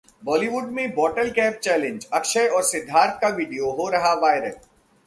बॉलीवुड में bottle cap challenge, Akshay और सिद्धार्थ का वीडियो हो रहा वायरल